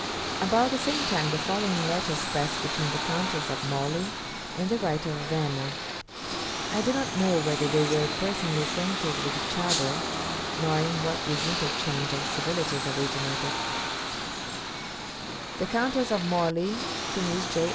About the same time the following letters passed between the Countess of Morley and the writer of 'Emma.' I do not know whether they were personally acquainted with each other, nor in what this interchange of civilities originated: _The Countess of Morley to Miss J.